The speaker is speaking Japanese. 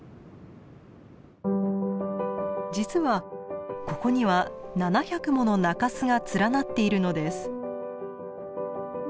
実はここには７００もの中州が連なっているのです。